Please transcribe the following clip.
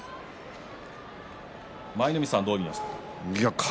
舞の海さん、どう見ましたか。